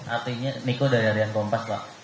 artinya niko dari harian kompas pak